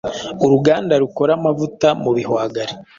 Uruganda rukora amavuta mu bihwagari